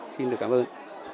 xin được cảm ơn